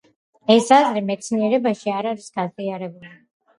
ეს აზრი მეცნიერებაში არ არის გაზიარებული.